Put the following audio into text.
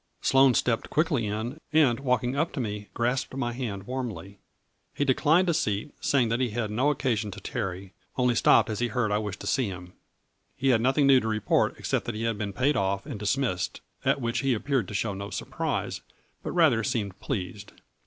Sloane stepped quickly in, and, walking up to me, grasped my hand warmly. He declined a A FLURRY IN DIAMONDS. 103 seat, saying that he had no occasion to tarry, only stopped as he heard I wished to see him. He had nothing new to report except that he had been paid off and dismissed, at which he appeared to show no surprise, but rather seemed pleased.